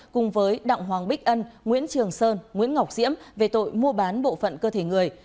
cùng với đặng hoàng bích ân nguyễn trường sơn nguyễn ngọc diễm về tội mua bán bộ phận cơ thể người